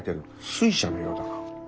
水車のようだな。